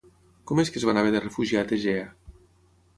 Com és que es van haver de refugiar a Tegea?